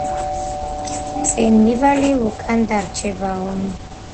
წინ მივალი უკანდარჩებაო